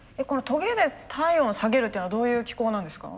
トゲで体温を下げるっていうのはどういう機構なんですか？